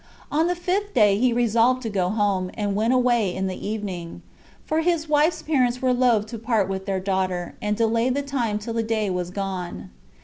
On the fifth day he resolved to go home, and went away in the evening; for his wife's parents were loath to part with their daughter, and delayed the time till the day was gone.